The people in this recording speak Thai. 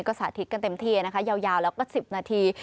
ก็สาธิตกันเต็มที่นะคะยาวแล้วก็๑๐นาที